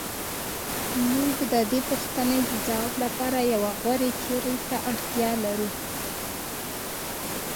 موږ د دې پوښتنې د ځواب لپاره یوې غوره تیورۍ ته اړتیا لرو.